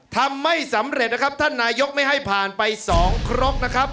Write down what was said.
ทำไม่สำเร็จนะครับท่านนายกไม่ให้ผ่านไปสองครกนะครับ